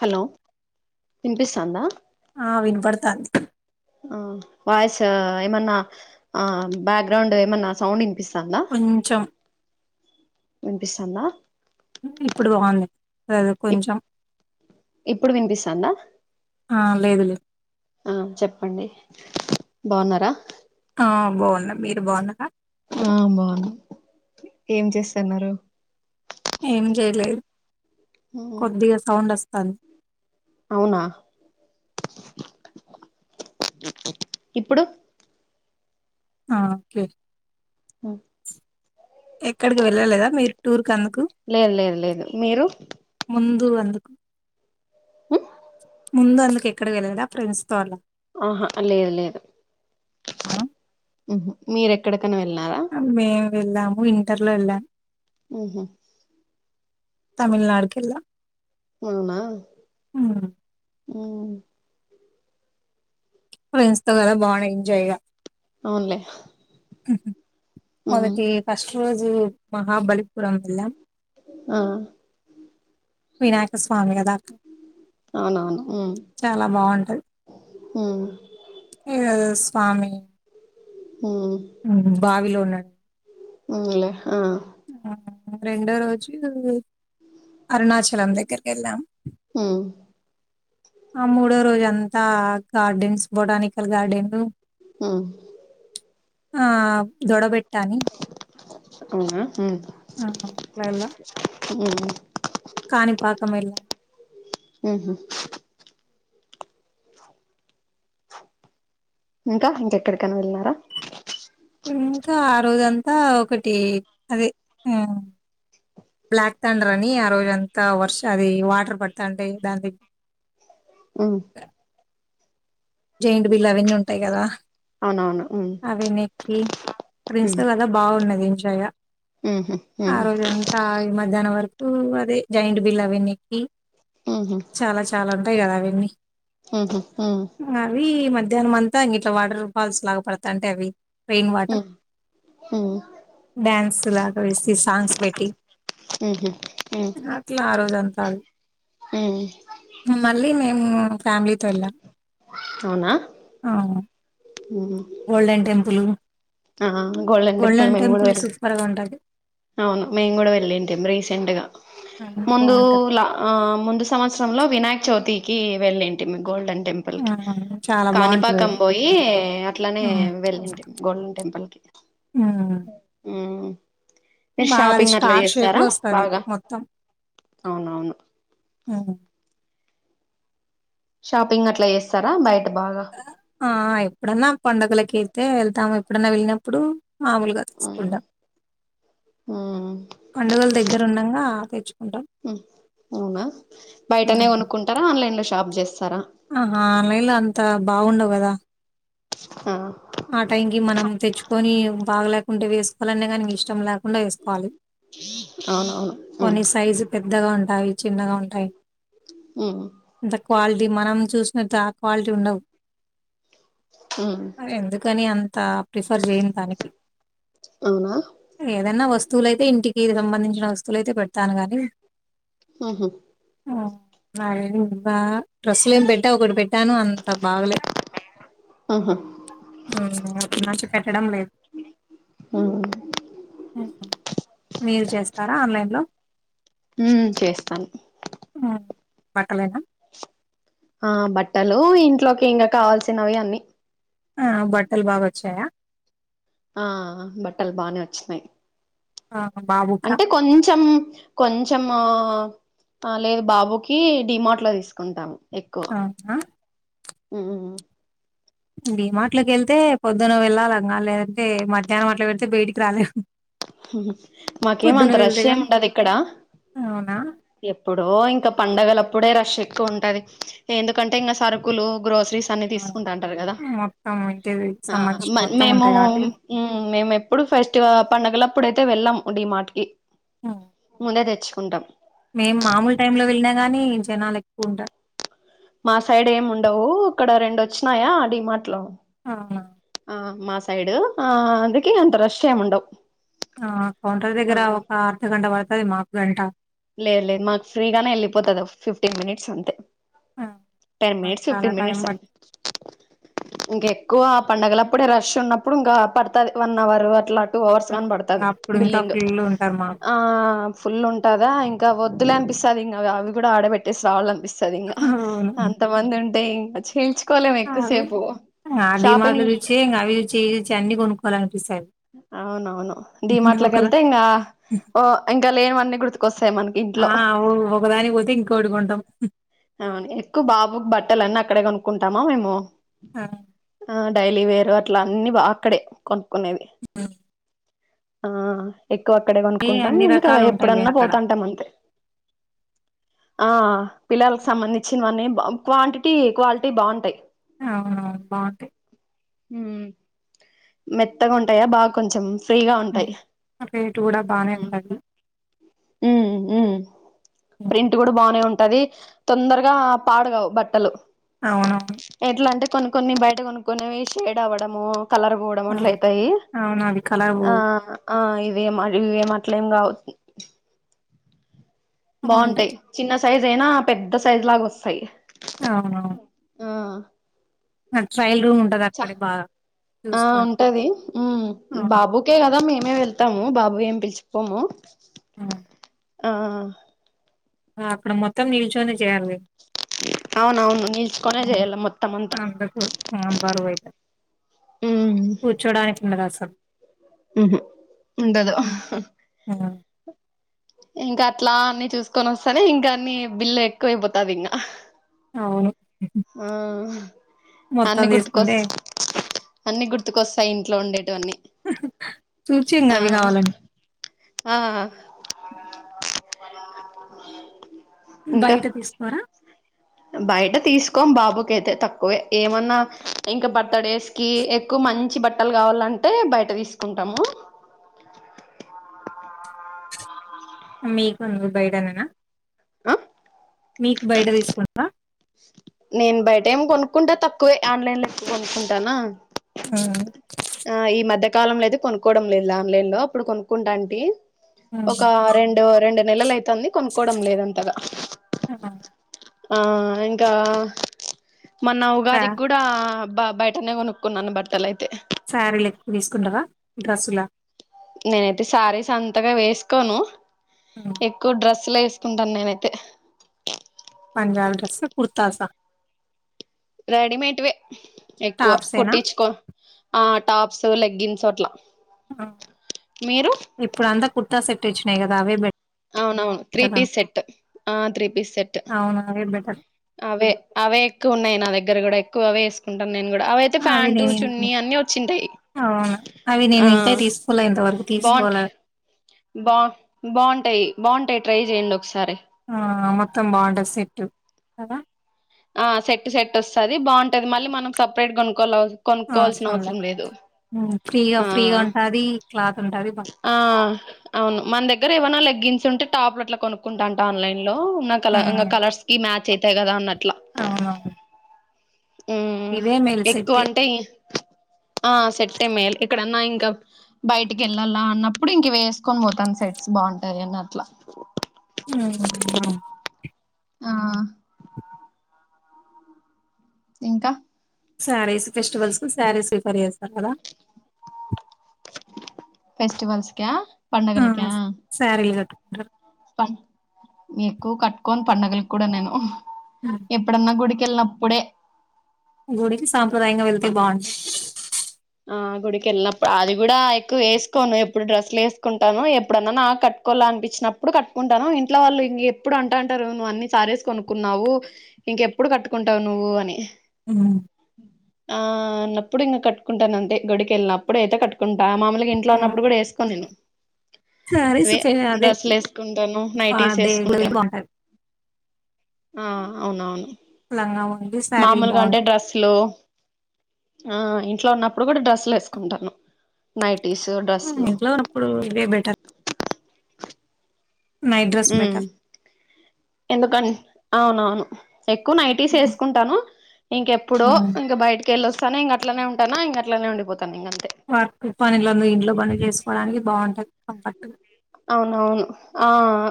Hello వినిపిస్తాందా ఆ వినబడుతాంది ఆ వాయిస్ ఏమన్నా బ్యాక్గ్రౌండ్ ఏమన్నా సౌండ్ వినిపిస్త కొంచం వినిపిస్తాన్నా ఇప్పుడు బాగుంది అది కొంచెం ఎప్పుడు వినిపిస్తాందా ఆ లేదు లేదు ఆ చెప్పండి బాగున్నారా ఆ బాగుంద మీరు బాగున్నగా ఆ బాగును ఏం చేస్తున్నారు ఏం చేయలేదు కొద్దిగా సౌండ్ వస్తాంది అవునా ఇప్పుడు ఆఓకే ఆ ఎక్కడికి వెళ్ళలేదా మీరు టూర్ క అందుకు లేదు లేదు లేదు మీరు ముందు అందుకు ముందు అందుకు ఎక్కడికి వెళ్ళదా ప్రెంస్తో అళ్ళ ఆహా లేదు లేదు అవునా? మీరెక్కడ మేము వెళ్ళాము ఇంటర్ లో వెళ్ళాము ఆఓహా తమిళనాడుకిళ్లా అవునా ఫ్రెండ్స్ తో కద బాగున్నాయి ఎంజాయగా అవునులే మొదటి ఫస్ట్ రోజు మహాబలిపురం వెల ఆ వినాయకస్వామిగా దాకాలు అవునవును ఉ ఉ ఏ స్వామి ఉ బావిలో ఉన్నాడు అలే ఆ ఆహ్, రెండో రోజు అరుణాచలం దగ్గరకి వెళ్ళాం ఉ ఆ ముడే రోజంద అంతా గార్డెన్స్ బొటానికల్ గార్డెన్ ఆ ఆ దొడబెట్టాని అవునా ఆ అలాలా ఉ కానీపాకమలా ఉహు ఇంకా ఇంకెక్కడికైనా వెళ్ళినారా ఇంకా ఆ రోజంతా ఒకటి అదే బ్లాక్ తథండర్ అని ఆ రోజు అంతా వర్ష అది వాటర్ పడతా అంటే దా ఆ జైండు బిల్లు అవన్నీ ఉంటాయి కదా అవునవును ఉమ్ అవి నక్కి ప్రస్ ఉమ్ కదా బాగున్నది ఎంజాయ్‌గా. ఉహు ఆ ఉమ్ రోజంతా ఈ మధ్యాహ్నం వరకు అదే జాంట్ బిల్ అవన్నక్కి ఉహు చాలా చాలా ఉంటాయి కదా అవన్నీ ఉహు ఉమ్ అవి మధ్యాహ్నం అంతా ఇ ఇట్లా వాటర్ ఫాల్స్ లాగా పడతా అంటే అవి రెయిన్ వాటర్ ఉమ్ ఉమ్ డ్యాన్స్ లా స్త సాంగ్స్ పెట్టి ఉహు ఉమ్ అట్లా ఆ రోజు అంతాడు ఉమ్ మళ్ళీ మేము ఫ్యామిలీతో వెళ్ళాం అవునా ఉమ్ గోల్డెన్ టెంపుల్ ఆ గోల్డన్ టెపుల్ గోల్డెన్ మేము కూడా టెంపుల్ వెళ్ళి సూపర్ గా ఉంటది అవును మేము కూడా వెళ్ళంటేం రీసెంట్ గా బాగుంటది ముందులా ఆ ముందు సంవత్సరంలో వినాయక చ్యతికి వెళ్ళేంటి గోల్డెన్ టెంపుల్ కి చాలా బాగుంటది కానీపాకం అది పోయి అట్లానే వెళ్ళింటిమి గోల్డెన్ టెంపుల్ కి మీరు బాగా అది షాపింగ్ అట్లా స్టార్ షేప్ చేస్తారా లో వస్తది బాగా మొత్తం అవునవును షాపింగ్ అట్లా చేస్తారా బయట బాగా ఆ ఎప్పుడన్నా పండుగలక వెళ్తే వెళ్తాము ఎప్పుడన్నా వెళ్ళినప్పుడు మామలుగా ఉమ్ తీసుకుంటాం ఉమ్ పండుగలు దగ్గర ఉండగా తెచ్చు అవునా బయటనే కొనుక్కుంటారా ఆన్లైన్ లో షాప్ చేస్త ఆ ఆన్లైన్ లో అంత బాగుండవు కదా ఆ ఆ టైం కి మనం తెచ్చుకొని బాగలేకుంటే వేసుకోవాలనే కానీ ఇష్టం లేకుండా వేసుకోవాలి అవునవును కొన్ని సైజు పెద్దగా ఉంటాయి చిన్నగా ఉంటాయి ఉమ్ ఇంత క్వాలిటీ మనం చూసినట్టు ఆ క్వాలిటీ ఉండవు హ ఎందుకని అంత ప్రిఫర్ చేయని దానికి అవునా వస్తువులయితే ఇంటికి సంబంధించిన వస్తువులుయితే పెడతాను గానీ ఆహా మ డ్రెస్ ఇక్కలేం పెట్టా ఒకటి పెట్టాను అంత బాగలే ఉహు అ నచ్చితే [inaudible] పెట్టడం లేదు ఉమ్ మీరు చేస్తారా ఆన్లైన్ లో హ చేస్తాను బట్టలేన ఆ బట్టలు ఇంట్లోకి ఇంకా కావాల్సినవి అన్నీ ఆ బట్టలు బాగా వచ్చాయా ఆ బట్టలు బానే వచ్చినాయి ఆ బాబుకా అంటే కొంచెం కొంచెం ఆ లేదు బాబుకి డిమార్ట్ లో తీసుకుంటాము అవున ఆ డి మార్ట్ కి వెళ్తే పొద్దున్న వెళ్ళాలింగా లేదంటే మధ్యాహ్నం అట్ పెడితే బయటికి రాలేము మాకేమంత రష్ వెళ్తే గాని ఏమిండదు ఇక్కడ అవునా ఎప్పుడో ఇంకా పండగల ఇప్పుడే రష్ ఎక్కువ ఉంటది ఎందుకంటే ఇంకా సరుకులు గ్రో శ్రీస్ అన్ని ఆ! తీసుకుంటా అంటారు కదా మొత్తం ఇంటికి సంబంధించిన మ మొత్తం మేము ఉంటాయి కాబట్టి మేము ఎప్పుడు ఫస్ట్గా పండగల అప్పుడైతే వెళ్ళాం డి మార్ట్ కి హ్మ్. ముందే తెచ్చుకుంటాం జనాల ఎక్కువ ఉంటారూ మా సైడ్ ఏమి ఉండవు ఇక్కడ రెండు వచ్చినాయా డి మార్ట్ లు అవున ఆ మా సైడ్ ఆ అందుక అంత రష్ ఏం ఉండవు ఆ కౌంటర్ ఆ దగ్గర ఒక అర్ధగంట పడుతుంది మాకు గంట లేదు లేదు మాకు ఫ్రీ గానే వెళ్ళిపోతుంది ఫిఫ్టీన్ మినిట్స్ అంతే ఆ టన్ ఆ! మినిట్స్ చాలా ఫిఫ్టీన్ టైం మినిట్స్ పడుతది ఇంక ఎక్కువ పండగల అప్పుడే రష్ ఉన్నప్పుడు ఇంకా పడుతది వన్ అవర్ అట్లా టూ అవర్స్ గాని పడుతది అప్పుడు ఇంకా బిల్డింగ్ ఫుల్ ఉంటారు మాకు ఆ ఫుల్ ఉ కదా ఇంకా వద్దులే అనిపిస్తది ఇంకా అవి కూడా ఆడ పెట్టేసి రావాలి అనిపిస్తది సరి ఇంగా అవును అంతమంది ఉంటే ఇంకా చీల్చ్ ఆ డీమాట్ల జూచి ఇంకా అవి జూచి ఈ జూచి అన్ని కొనుక్కొవాలి అనిపిస్తది అవునవును డీమాట్లోకి వెళ్తే ఇంకా ఓ ఇంకా లేనివన్నీ గుర్తు వస్తాయి మనకి ఇంట్లో ఆ ఒకదానికి పోతే ఇంకోటి కొంటాం అవును ఎక్కువ బాబు బట్ట లన్ని అక్కడే కొనుకుంటాము మేము ఆ, ఆ డై లీ వేరు అట్లా అన్ని బా అక్కడే కొనుక్కునేది ఉమ్ ఆ ఎ ఎక్కువ అక్కడే ఏ కొనుక్కుంటాం అన్ని ఉంది కదా రకాలు ఉంటాయిలే ఎప్పుడన్నా అక్కడ పోతాంటాం అంతే ఆ పిల్లలకి సంబంధించినవన్నీ క్వాంటిటీ క్వాలిటీ బాగుంటాయి అవునవును బాగుంటాయి మెత్తగా ఉంటాయా బాగా కొంచెం ఫ్రీగా ఉమ్. ఉంటాయి రేటు కూడా బానే ఉమ్ ఉంటది ఉమ్ ఉమ్. ప్రింట్ కూడా బానే ఉంటది తొందరగా పాడుగావు బట్టలు అవునవును ఎట్లా అంటే కొన్ని కొన్ని బయట కొనుక్కొనేవి షేడ్ అవ్వడము కలర్ పోవడం అట్ల అవును అయితాయి అవును అవి కలర్ ఆ పోవు ఆ ఇవేమి ఇవే అట్లేం గావు బాగుంటాయి చిన్న సైజ్ అయినా పెద్ద సైజు లాగా వస్తాయి అవునా ఆ ట్రయల్ రూమ్ ఉంటది చ అక్కడ బాగా ఆ చూసుకోండి ఉంటది ఉమ్ అవును, బాబుకే కదా మేమే వె వెళ్తాము బాబు ఏం పిలిచిపోము అవును. ఆ అక్కడ మొత్తం నిల్చొని చేయ్యాలి అవునవును నిల్చుకొనే ఉమ్ చేయాల మొత్తం అంతా అలాటప్పుడు బరువైతయ్ కూర్చోడానికి ఉండ దసలు ఊహూ ఉండదు ఉమ్. ఇంకా అట్లా అన్ని చూసుకొని వస్తానే ఇంకా అన్ని బిల్లు ఎక్కువైపోతది ఇంగా అవును ఆ అన్ని మొత్తం గుర్తుకోస్ తీసుకుంటే అన్ని గుర్తుకొస్తాయి ఇంట్లో ఉండే చూచింగా అవి కావాలని ఆ ఇంకా బయట తీసుకోరా బయట తీసుకోం బాబుకైతే తక్కువే ఏమన్నా ఇంకా బర్త్ డేస్ కి ఎక్కువ మంచి బట్టలు గావాలంటే బయట తీసుకుంటాము [inaudible] మీకుంది బైడన్నానా ఆ మీకు బయట తీసుకుంటవా నేను బయట ఏం కొనుక్కుంటా తక్కువే ఆన్లైన్ లో ఇచ్చి కొనుక్కుంటానా ఉమ్ ఆ ఈ మధ్య కాలంలో అయితే కొనుక్కోవడం లేదు ఆన్లైన్ లో అప్పుడు కొనుక్కుంటా అంటీ ఆ ఒక రెండు రెండు నెలలైతే తంది కొనుక్కవడం లేదంతగా ఆ ఇంకా మన్న ఆ ఉగాదిక్కూడా బ బయటనే కొనుక్కున్నాను బట్టలైతే శారీలు ఎక్కువ దీసుకుంటార డ్రస్సు లా నేనైతే శారీస్ అంతగా వేసుకోను ఎక్కువ డ్రస్ స్స్లే వేసుకుంటాను నేనైతే పంజాబ్ డ్రెస్ కుర్తాస రెడీమేట్వే ఎక్కువ ఏనా కుట్టించుకో ఆ టాప్స్ లెగ్గిన్స్ అట్ల ఇప్పుడంతా కుర్తా సెట్టొచ్చినాయి గదా అవే బె అవునవును త్రీ పీస్ సెట్ ఆ త్రీ పీస్ సెట్ అవును అవే బెటర్ అవే అవే ఎక్కువున్నాయి నా దగ్గర కూడా ఎక్కువ అవే వేసుకుంటాను నేను కూడా అవియితే అవి ప్యాంటు నేను చున్నీ అన్ని వచ్చింటాయి అవును అవి ఆ నేనికా తీసుకోలే ఇంతవరకు తీసుకోవాల బాగుంటాయి బా బాగుంటాయి బాగుంటాయి ట్రై చెయండి ఒకసారి ఆ మొత్తం బార్డర్ సెట్టు కదా ఆ సెట్ సెట్ వస్తుది బాగుంటది మళ్ళీ మనం సపరేట్గాను కొల కొనుక్కల్సిన అవసరంలే అవసరం లేదు ఉమ్, ఫ్రీగా ఆ ఫ్రీగా ఉంటది క్లాత్ ఉంటది బా- ఆ అవును మన దగ్గర ఏమనా లగ్గించ స్తుంటే టాప్లు అట్లా కొనుక్కుంటా అంట ఆన్లైన్ లో ఉ కలకా కలర్స్ క మ్యాచ్ అవుతయి కదా అన్నట్టు అవును ఉ ఎక్కువంటే ఆ సెట్టె మేల్ ఎక్కడన్నా ఇంకా బయటికి యెళ్ళాలా అన్నప్పుడు ఇంక వేసుకొని పోతాను సెట్స్ బాగుంటాయి అని అట్లా ఉమ్, ఆ ఇంకా శారీస్ ఫెస్టివల్స్ కు శారీస్ రిఫర్ జేస్తారు కదా ఫెస్టివల్స్ క ఆ సారీలు గట్టుకుంట ఎక్కువ కట్టుకోను పండగలక్కూడా నేను ఎప్పుడన్నా గుడికి కెళ్నప్పుడే గుడికి సాంప్రదాయంగా వెళ్తే బాగుం కెల్నప్పుడు అది గూడా ఎక్కువ యేసుకోను ఎప్పుడు డ్రెస్లు వేసుకుంటాను ఎప్పుడన్నా నాకు కట్టుకోళ్ల అనిపించినప్పుడు ఇప్పుడు కట్టుకుంటాను ఇంట్లో వాళ్ళు ఇంక ఎప్పుడు అంటా అంటారు నువ్వు అన్ని సారేసి కొనుకున్నావు ఇంకెప్పుడు కట్టుకుంట ఉంటావు నువ్వు అని ఉ ఆ అన్నప్పుడు ఇంకా కట్టుకుంటాను అంతే గుడికిెళ్ళినప్పుడు అయితే కట్టుకుంటా మామూలుగా ఇంట్లో ఉన్నప్పుడు కూడా వే కొనిను శారీస్ వే అదే డ్రెస్సులే సుకుంటాను నైటీస్ దేవుళ్ళవి వేసుకుంటాను బాగుంటాయి ఆ అవునవును లంగా ఓణి శారీలు మామూలుగా అంటే బాగుంటాయి డ్రస్సులు ఆ ఇంట్లో ఉన్నప్పుడు కూడా డ్రెస్సులేసుకుంటాను నైట్ ఇంట్లో అప్పుడు ఇదే బెటర్ నైట్ డ్రెస్ ఊ బెటర్ ఎందుక అవునవును ఎక్కువ నైటీసేసుకుంటాను ఇంకెప్పుడో ఇంకా బయటకి వెళ్ళ వస్తు తను ఇంగట్లనే ఉంటానా ఇంగట్లనే ఉండిపోత వర్క్ పనులుందు ఇంట్లో పని చేసుకోవడానికి బాగుంటాది కంఫర్ట్ అవునవును ఆ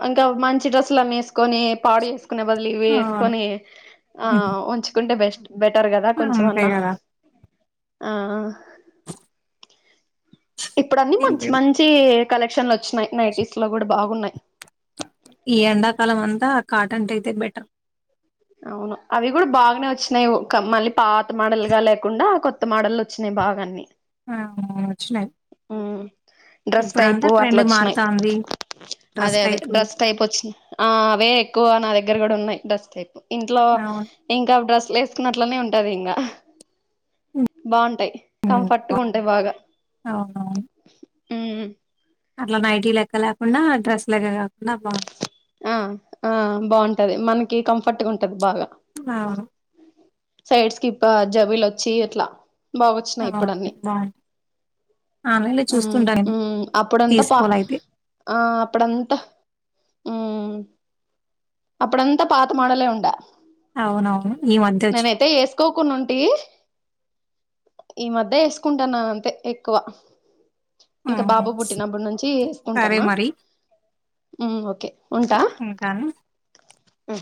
ఇంకా మంచి డ్రెస్సులన్ని వేసుకొని పాడు వేసుకొ కునే బదులు ఇవి అవును యేసుకొని ఆ ఉంచుకుంటే బెస్ట్ బెటర్ కదా అంతే కొంచెంమన్నా కదా ఆ ఇప్పుడు అన్నిీ మంచి మంచి కలెక్షన్లు వచ్చినయి నైటీస్ లో కూడా బాగున్నాయి ఈ ఎండాకాలం అంతా కాటన్ టయితే బెటర్ అవును అవి కూడా బాగానే వచ్చినాయి మళ్ళీ పాత మడలుగా లేకుండా కొత్త కొత్త మోడల్లు వచ్చినా బాగాన్నన్ని ఆ ఉ డ్రస్ టైపు ఇప్పుడంతా అట్ల ట్రెండ్ వచ్చినాయి మారుతాంది అదే డ్రెస్ అదే టైప్ డ్రస్ టైప్ వచ్చినంది ఆ అవే ఎక్కువ నా దగ్గర కూడా ఉన్నాయి డ్రెస్ టైప్ ఇంట్లో ఇంకా డ్రెస్లు వేసుకున్నట్లనే ఉంటది ఇంకా బాగుంటాయి కంఫర్ట్గా ఉంటాయి బాగా ఆహా హ అట్లా నైటీ లెక్క లేకుండా డ్రెస్ లెక్క కాకుండా బాగుంది ఆ ఆ బాగుంటది మనకి కంఫర్ట్ ఉంటది బాగా ఆ సైడ్స్కిి జబులు వచ్చి అట్లా బాగు వచ్చినయి అవును. ఇప్పుడున్నిీ బావుంది. ఆన్‌లైన్‌లో చూస్తుంటా నేను అప్పుడంతా పా తీసుకోవాలయితే. ఆ అప్పుడంతా అప్పుడంతా పాత మోడలే ఉండ అవునవును ఈ మధ్య వచ్చి ఎకోకుండా ఉంటే ఈ మధ్య వేసుకుంటాన్నా అంతే ఎక్కువ ఇంకా హ్మ్. బాబు పుట్టినప్పుడు నుంచి సరే వేసుకుంటాన్న మరి ఓకే ఉంటా ఉంటాను. ఆ